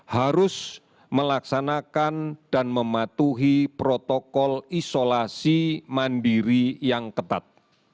harus melaksanakan dan mematuhi protokol isolasi mandiri yang ketat